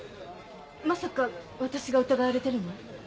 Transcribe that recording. まさかわたしが疑われてるの？